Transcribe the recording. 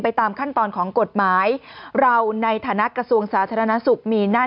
ตามขั้นตอนของกฎหมายเราในฐานะกระทรวงสาธารณสุขมีหน้า